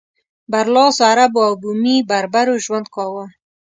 برلاسو عربو او بومي بربرو ژوند کاوه.